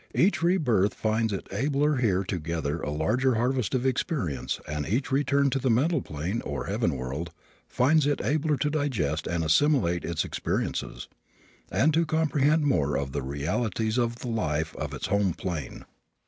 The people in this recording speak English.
Each rebirth finds it abler here to gather a larger harvest of experience and each return to the mental plane, or heaven world, finds it abler to digest and assimilate its experiences, and to comprehend more of the realities of the life of its home plane.